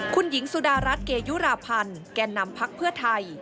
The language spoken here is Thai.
คุณหญิงสุดารัฐเกยุราพันธ์แก่นำพักเพื่อไทย